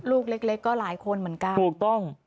ลูกเล็กก็หลายคนเหมือนกัน